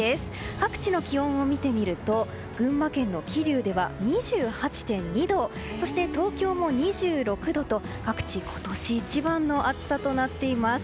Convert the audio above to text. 各地の気温を見てみると群馬県の桐生では２８．２度そして東京も２６度と各地、今年一番の暑さとなっています。